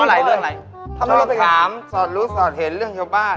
ไม่ใช่ถามสอดรู้สอดเห็นเรื่องเกียรติบ้าน